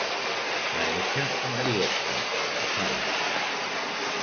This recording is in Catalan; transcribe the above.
Va néixer a Marietta, Ohio.